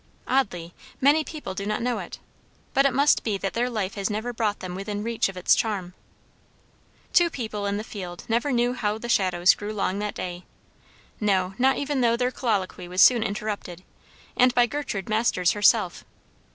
Oddly, many people do not know it. But it must be that their life has never brought them within reach of its charm. Two people in the field never knew how the shadows grew long that day. No, not even though their colloquy was soon interrupted, and by Gertrude Masters herself.